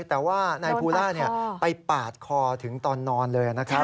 แต่ว่านายภูล่าไปปาดคอถึงตอนนอนเลยนะครับ